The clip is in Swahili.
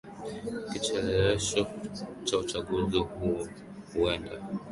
kucheleweshwa kwa uchaguzi huo huenda